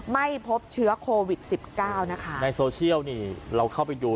ไม่พบเชื้อโควิดสิบเก้านะคะในโซเชียลนี่เราเข้าไปดู